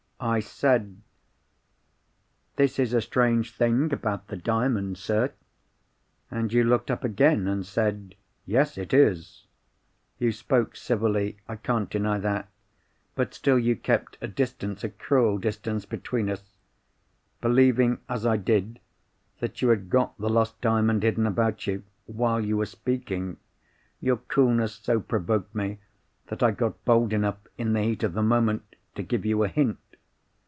I said, 'This is a strange thing about the Diamond, sir.' And you looked up again, and said, 'Yes, it is!' You spoke civilly (I can't deny that); but still you kept a distance—a cruel distance between us. Believing, as I did, that you had got the lost Diamond hidden about you, while you were speaking, your coolness so provoked me that I got bold enough, in the heat of the moment, to give you a hint.